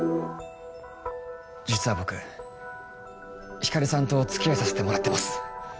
実は僕光莉さんとお付き合いさせてもらってます。